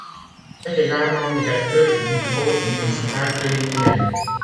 Il est également Directeur du bureau municipal de l'hygiène.